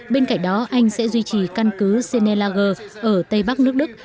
bên cạnh đó anh sẽ duy trì căn cứ senelger ở tây bắc nước đức